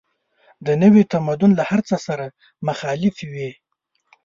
د نوي تمدن له هر څه سره مخالفې وې.